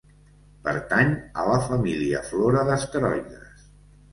Pertany a la Família Flora d'asteroides.